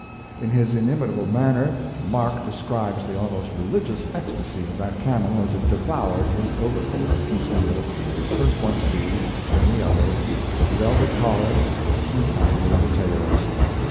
In his inimitable manner, Mark describes the almost religious ecstasy of that camel as it devoured his overcoat piecemeal first one sleeve, then the other, velvet collar, and finally the tails.